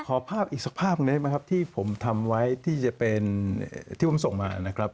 ขอภาพอีกสักภาพนี้นะครับที่ผมส่งมานะครับ